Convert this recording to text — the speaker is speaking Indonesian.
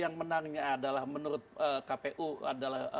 yang menariknya adalah menurut kpu adalah